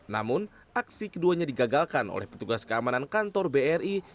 namun aksi keduanya digagalkan oleh petugas keamanan kantor bri